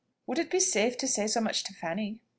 "Would it be safe to say so much to Fanny?"